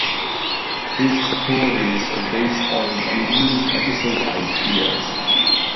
His stories are based on unused episode ideas.